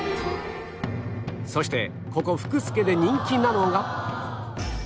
そしてここふくすけで人気なのが